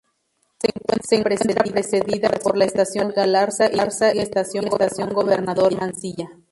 Se encuentra precedida por la Estación General Galarza y le sigue Estación Gobernador Mansilla.